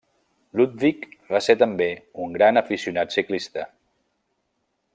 Ludwig va ser també un gran aficionat ciclista.